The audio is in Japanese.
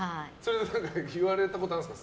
言われたことありますか？